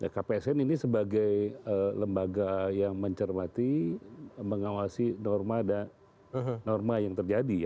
kpsn ini sebagai lembaga yang mencermati mengawasi norma yang terjadi